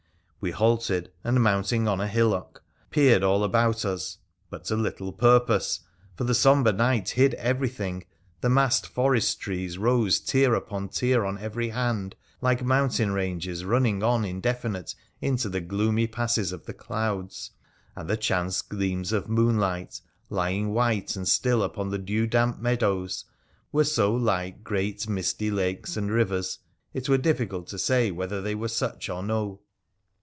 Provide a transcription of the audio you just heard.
We halted, and, mounting on a hillock, peered all about us, but to little purpose, for the sombre night hid everything, the massed forest trees rose tier upon tier on every hand, like mountain ranges running on indefinite into the gloomy passes of the clouds, and the chance gleams of moonlight, lying white and still upon the dew damp meadows, were so like great misty lakes and rivers, it were difficult to say whether they were such or no.